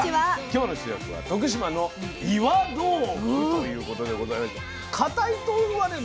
今日の主役は徳島の岩豆腐ということでございまして固い豆腐はね